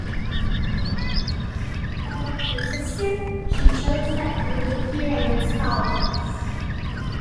Unlike her sister, she chose not to interfere in its politics.